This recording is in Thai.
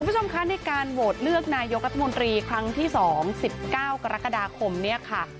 คุณผู้ชมคะในการโหวตเลือกนายกรัฐมนตรีครั้งที่๒๑๙กรกฎาคมเนี่ยค่ะ